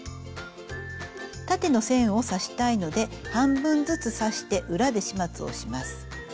縦の線を刺したいので半分ずつ刺して裏で始末をします。